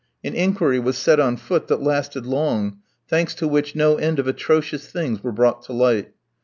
An inquiry was set on foot that lasted long, thanks to which no end of atrocious things were brought to light.